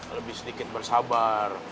lebih sedikit bersabar